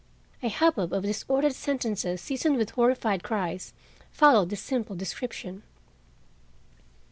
A hubbub of disordered sentences seasoned with horrified cries followed this simple description.